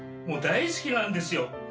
もう大好きなんですよ。